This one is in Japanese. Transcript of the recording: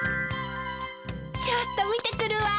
ちょっと見てくるわ。